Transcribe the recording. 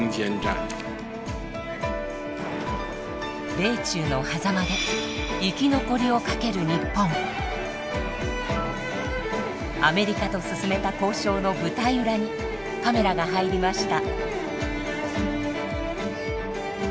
米中のはざまでアメリカと進めた交渉の舞台裏にカメラが入りました。